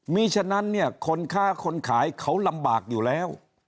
มีฉะนั้นเนี่ยคนค้าคนขายเขาลำบากอยู่แล้ว